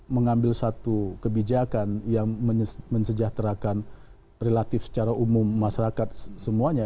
mengambil satu kebijakan yang mensejahterakan relatif secara umum masyarakat semuanya